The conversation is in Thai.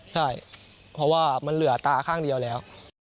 ใช่เพราะว่ามันเหลือตาข้างเดียวแล้ว